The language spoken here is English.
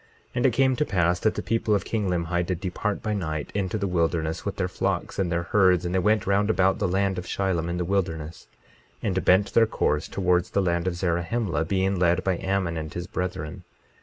22:11 And it came to pass that the people of king Limhi did depart by night into the wilderness with their flocks and their herds, and they went round about the land of Shilom in the wilderness, and bent their course towards the land of Zarahemla, being led by Ammon and his brethren.